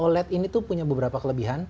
panel oled ini punya beberapa kelebihan